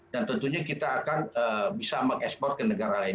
dan tentunya kita akan bisa mengekspor ke negara lain